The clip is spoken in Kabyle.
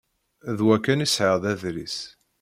D wa kan i sεiɣ d adlis.